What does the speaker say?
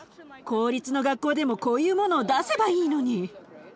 公立の学校でもこういうものを出せばいいのに。